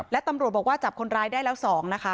และตำรวจบคนร้ายได้๒นะคะ